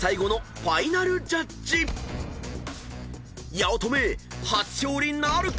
［八乙女初勝利なるか⁉］